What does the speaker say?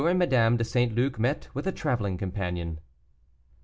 AND MADAME DE ST. LUC MET WITH A TRAVELING COMPANION.